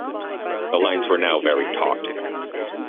The lines were now very taut.